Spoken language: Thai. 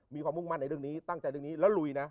มีความมุ่งมั่นในเรื่องนี้ตั้งใจเรื่องนี้แล้วลุยนะ